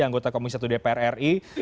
anggota komisi satu dpr ri